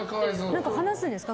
何か話すんですか？